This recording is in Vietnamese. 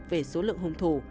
về số lượng hung thủ